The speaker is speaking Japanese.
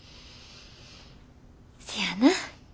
せやな。